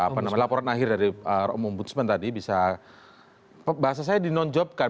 pak nirwan akhir dari om ombudsman tadi bisa bahasa saya di non job kan